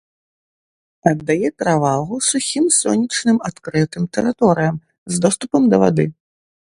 Аддае перавагу сухім сонечным адкрытым тэрыторыям з доступам да вады.